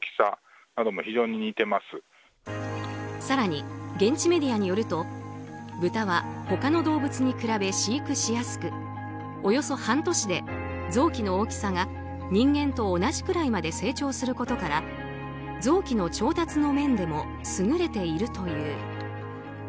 更に、現地メディアによるとブタは他の動物に比べ飼育しやすくおよそ半年で臓器の大きさが人間と同じくらいまで成長することから臓器の調達の面でも優れているという。